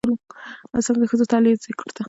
اسلام د ښځو زدهکړې ته اهمیت ورکوي.